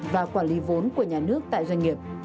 và quản lý vốn của nhà nước tại doanh nghiệp